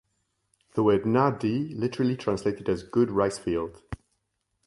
The word "Na Di" literally translated as "good rice field".